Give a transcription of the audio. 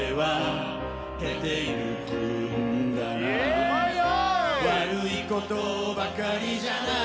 ・うまいよ！